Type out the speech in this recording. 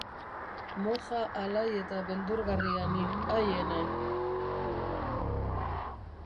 Moja alai eta beldurgarria ni, ai ene.